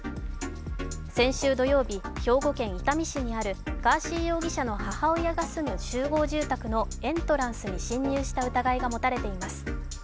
先週土曜日、兵庫県伊丹市にあるガーシー容疑者の母親が住む集合住宅のエントランスに侵入した疑いが持たれています。